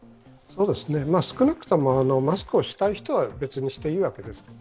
少なくともマスクをしたい人は別にしていいわけです。